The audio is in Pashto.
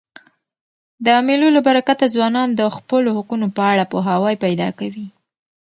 د مېلو له برکته ځوانان د خپلو حقونو په اړه پوهاوی پیدا کوي.